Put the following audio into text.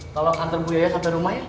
tolong hantar bu yoyoh sampai rumah ya